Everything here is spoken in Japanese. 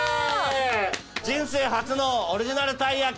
人生初のオリジナルたい焼き！